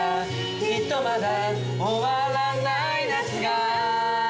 「きっとまだ終わらない夏が」